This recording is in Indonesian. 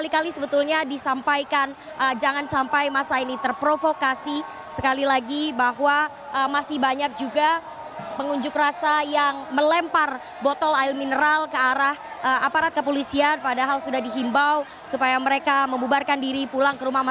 yang anda dengar saat ini sepertinya adalah ajakan untuk berjuang bersama kita untuk keadilan dan kebenaran saudara saudara